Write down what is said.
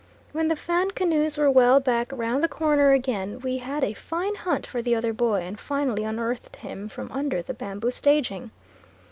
When the Fan canoes were well back round the corner again, we had a fine hunt for the other boy, and finally unearthed him from under the bamboo staging.